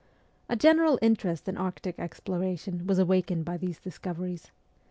A general interest in Arctic exploration was awakened by these discoveries.